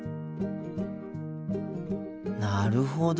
なるほど。